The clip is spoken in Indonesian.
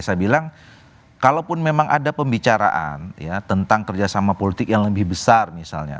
saya bilang kalaupun memang ada pembicaraan tentang kerjasama politik yang lebih besar misalnya